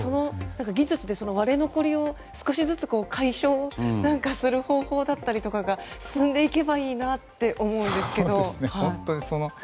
技術で割れ残りを、少しずつ解消する方法だったりとかが進んでいけばいいなって思うんですけど。